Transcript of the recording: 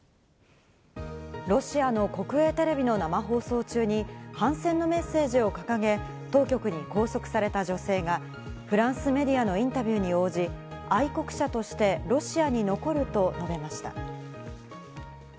ロシアの国営テレビの生放送中に反戦のメッセージを掲げ、当局に拘束された女性がフランスメディアのインタビューに応じ、愛国者としてロシアに残ると述べました。